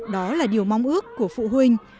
đó là điều mong ước của phụ huynh